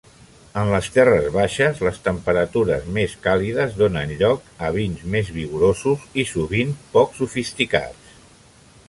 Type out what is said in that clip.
En les terres baixes, les temperatures més càlides donen lloc a vins més vigorosos i sovint poc sofisticats.